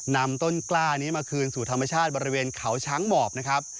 นำต้นกล้านี้มาคืนสู่ธรรมชาติบริเวณเขาช้างหมอบนะครับ